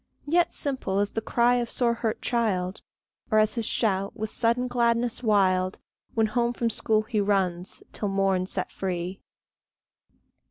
Yet simple as the cry of sore hurt child, Or as his shout, with sudden gladness wild, When home from school he runs, till morn set free.